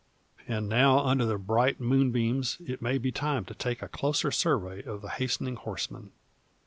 And now under the bright moonbeams it may be time to take a closer survey of the hastening horseman.